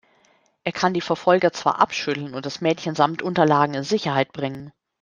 Er kann die Verfolger zwar abschütteln und das Mädchen samt Unterlagen in Sicherheit bringen.